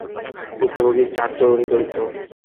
ভুক্তভোগী চার তরুণী দরিদ্র।